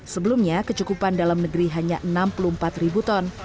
sebelumnya kecukupan dalam negeri hanya enam puluh empat ribu ton